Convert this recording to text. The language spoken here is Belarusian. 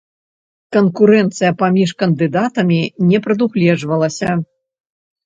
Канкурэнцыя паміж кандыдатамі не прадугледжвалася.